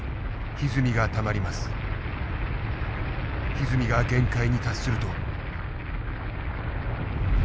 ひずみが限界に達すると。